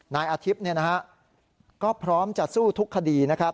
นายอาทิพย์ก็พร้อมจะสู้ทุกคดี